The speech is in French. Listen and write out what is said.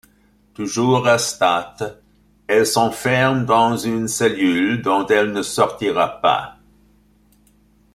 Toujours à Statte, elle s’enferme dans une cellule, dont elle ne sortira plus.